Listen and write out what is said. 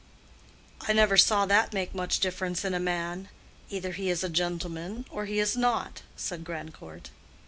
"I never saw that make much difference in a man. Either he is a gentleman, or he is not," said Grandcourt.